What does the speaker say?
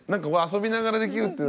遊びながらできるって。